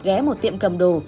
ghé một tiệm cầm đồ